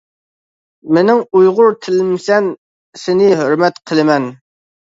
مېنىڭ ئۇيغۇر تىلىمسەن، سېنى ھۆرمەت قىلىمەن.